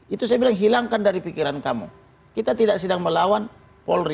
itu saya bilang hilangkan dari pikiran kamu kita tidak sedang melawan polri